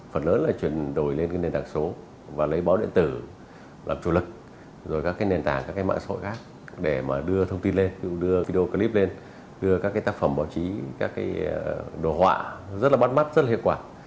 phần lớn là chuyển đổi lên nền tảng số và lấy báo điện tử làm chủ lực rồi các nền tảng các mạng xã hội khác để mà đưa thông tin lên đưa video clip lên đưa các tác phẩm báo chí các đồ họa rất là bắt mắt rất hiệu quả